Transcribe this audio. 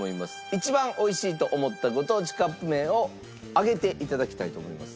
一番美味しいと思ったご当地カップ麺を上げて頂きたいと思います。